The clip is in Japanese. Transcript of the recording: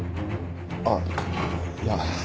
あっいや。